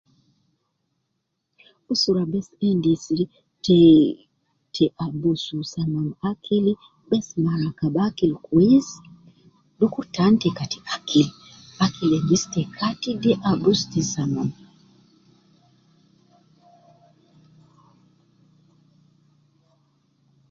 Usra bes endis te ,te abus samam akili, bes ma rakab akili kwesi, dukur tan te Kati akil, akil endis te kati de abus te samam